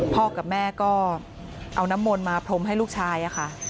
พ่อกับแม่ก็เอาน้ำมนต์มาพรมให้ลูกชายค่ะ